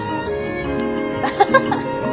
アハハハッ。